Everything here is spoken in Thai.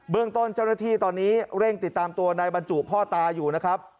เรื่องต้นเจ้าหน้าที่ตอนนี้เร่งติดตามตัวนายบรรจุพ่อตาอยู่นะครับ